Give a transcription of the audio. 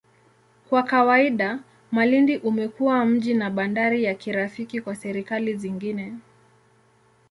Kwa kawaida, Malindi umekuwa mji na bandari ya kirafiki kwa serikali zingine.